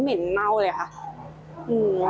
เจ้าของห้องเช่าโพสต์คลิปนี้